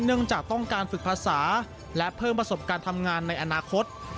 จากต้องการฝึกภาษาและเพิ่มประสบการณ์ทำงานในอนาคต